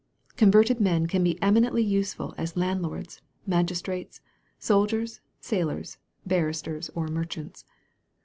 Converted men can be eminently useful as landlords, magistrates, Boldiers, saili >rs, barristers or merchants.